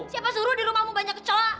siapa suruh di rumahmu banyak kecoa